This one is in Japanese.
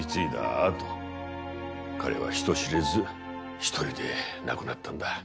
あと彼は人知れず一人で亡くなったんだ。